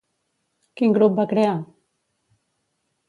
Quin grup va crear?